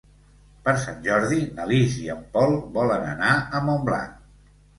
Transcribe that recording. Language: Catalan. Per Sant Jordi na Lis i en Pol volen anar a Montblanc.